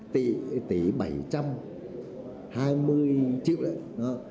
tỷ tỷ bảy trăm hai mươi triệu đấy